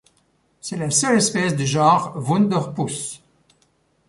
C'est la seule espèce du genre Wunderpus.